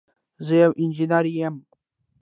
زه یو انجنير یم.